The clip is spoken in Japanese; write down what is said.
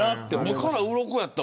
目からうろこやった。